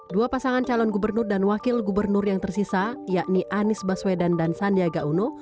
dua pasangan calon gubernur dan wakil gubernur yang tersisa yakni anies baswedan dan sandiaga uno